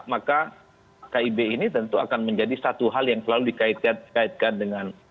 maka kib ini tentu akan menjadi satu hal yang selalu dikaitkan dengan